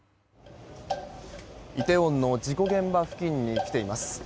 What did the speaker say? イテウォンの事故現場付近に来ています。